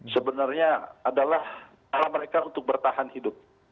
sebenarnya adalah cara mereka untuk bertahan hidup